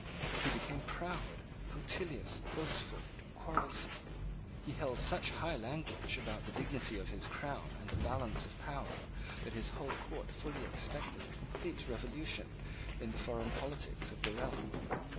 He became proud, punctilious, boastful, quarrelsome. He held such high language about the dignity of his crown and the balance of power that his whole court fully expected a complete revolution in the foreign politics of the realm.